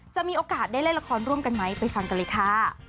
จะมีโอกาสได้เล่นละครร่วมกันไหมไปฟังกันเลยค่ะ